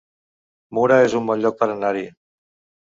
Mura es un bon lloc per anar-hi